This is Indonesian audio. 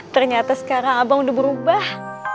ternyata sekarang abang udah berubah